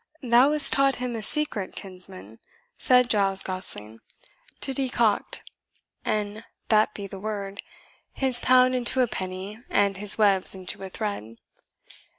"Thou hast taught him a secret, kinsman," said Giles Gosling, "to decoct, an that be the word, his pound into a penny and his webs into a thread.